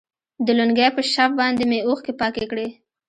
د لونګۍ په شف باندې مې اوښكې پاكې كړي.